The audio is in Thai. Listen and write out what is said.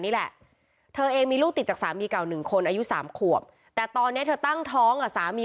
นี่แหละเธอเองมีลูกติดจากสามี